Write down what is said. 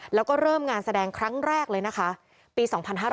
แล้วก็เริ่มงานแสดงครั้งแรกเลยนะคะปี๒๕๕๙